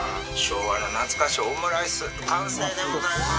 昭和の懐かしいオムライス完成でございます！